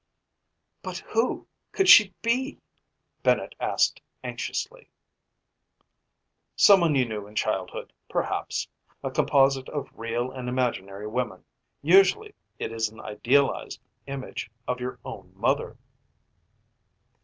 "But who could she be?" Bennett asked anxiously. "Someone you knew in childhood, perhaps. A composite of real and imaginary women. Usually, it is an idealized image of your own mother."